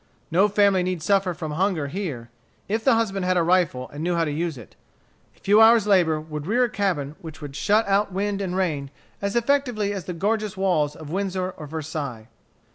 No family need suffer from hunger here, if the husband had a rifle and knew how to use it. A few hours' labor would rear a cabin which would shut out wind and rain as effectually as the gorgeous walls of Windsor or Versailles.